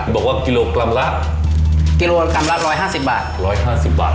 บอกว่ากิโลกรัมละ๑๕๐บาท